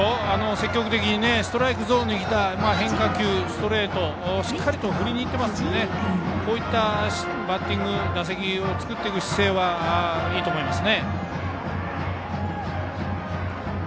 積極的にストライクゾーンに来た変化球、ストレートを振りにいっているのでこういったバッティング、打席を作っていく姿勢はいいと思います。